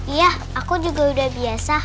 iya aku juga udah biasa